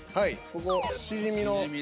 ここシジミの。